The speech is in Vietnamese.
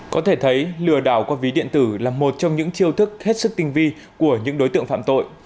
có thể thấy lừa đảo qua ví điện tử là một trong những chiêu thức hết sức tinh vi của những đối tượng phạm tội